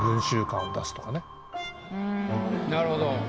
なるほど。